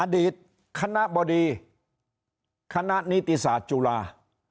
อดีตคณะบดีคณะนิติศาสตร์จุฬา